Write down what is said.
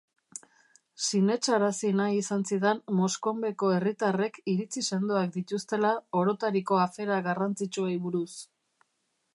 Sinetsarazi nahi izan zidan Moscombeko herritarrek iritzi sendoak dituztela orotariko afera garrantzitsuei buruz.